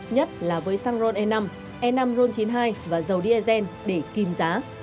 nhất là với xăng ron e năm e năm ron chín mươi hai và dầu diesel để kìm giá